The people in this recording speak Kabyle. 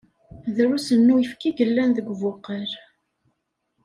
Drusn uyefki i yellan deg ubuqal..